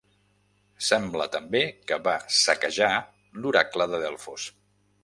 Sembla també que va saquejar l'Oracle de Delfos.